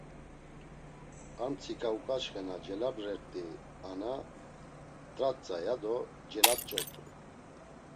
Ar mtsika uǩaçxe na celabrert̆i ana, t̆ratza, ya do celaç̌ordu.